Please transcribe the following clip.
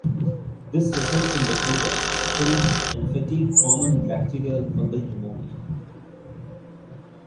This results in the fever, chills, and fatigue common in bacterial and fungal pneumonia.